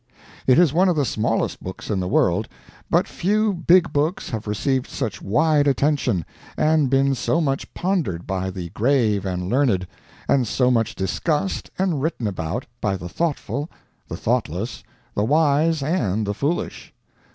It is one of the smallest books in the world, but few big books have received such wide attention, and been so much pondered by the grave and learned, and so much discussed and written about by the thoughtful, the thoughtless, the wise, and the foolish.